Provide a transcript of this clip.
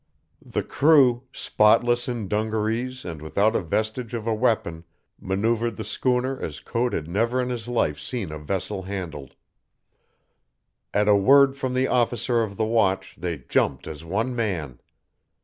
The crew, spotless in dungarees and without a vestige of a weapon, maneuvered the schooner as Code had never in his life seen a vessel handled. At a word from the officer of the watch they jumped as one man.